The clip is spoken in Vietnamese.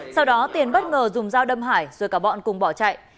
sau đó tiền bất ngờ dùng dao đâm hải rồi cả bọn cùng bỏ chạy